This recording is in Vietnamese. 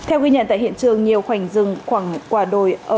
theo ghi nhận tại hiện trường nhiều khoảnh rừng khoảng quả đồi